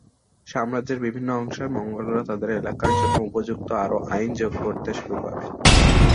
সাম্রাজ্যের বিভিন্ন অংশের মঙ্গোলরা তাদের এলাকার জন্য উপযুক্ত আরও আইন যোগ করতে শুরু করে।